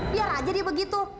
biar aja dia begitu